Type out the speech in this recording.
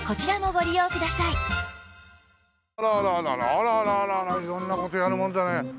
あらあらあら色んな事やるもんだね。